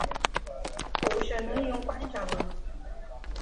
Ku’she nùn yin kwet njap bùn.